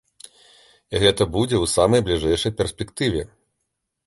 І гэта будзе ў самай бліжэйшай перспектыве.